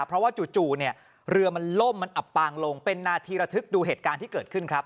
เพราะว่าจู่เนี่ยเรือมันล่มมันอับปางลงเป็นนาทีระทึกดูเหตุการณ์ที่เกิดขึ้นครับ